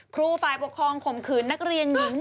ครูฟาคปกครองขมขืนนักเรียนนิ้มหมอนึง